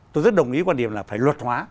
tôi rất đồng ý quan điểm là phải luật hóa